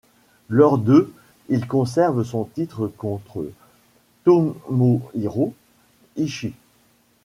Lors de ', il conserve son titre contre Tomohiro Ishii.